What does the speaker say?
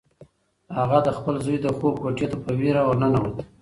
هغه د خپل زوی د خوب کوټې ته په وېره ورننوته.